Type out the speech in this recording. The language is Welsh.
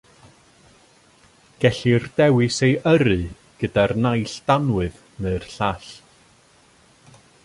Gellir dewis ei yrru gyda'r naill danwydd neu'r llall.